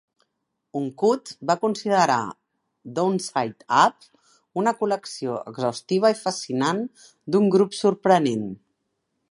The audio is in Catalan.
"Uncut" va considerar "Downside Up" "una col·lecció exhaustiva i fascinant d'un grup sorprenent".